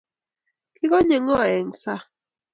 Kigonyii ngo eng saang?